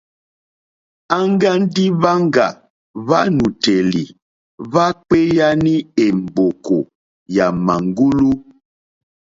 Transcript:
Aŋga ndi hwaŋga hwàtùnèlì hwa kpeyani è mbòkò yà màŋgulu.